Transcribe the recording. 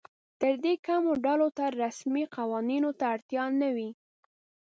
تر دې کمو ډلو ته رسمي قوانینو ته اړتیا نه وي.